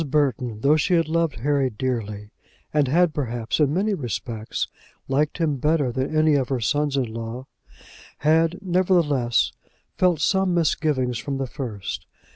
Burton, though she had loved Harry dearly, and had perhaps in many respects liked him better than any of her sons in law, had, nevertheless, felt some misgivings from the first.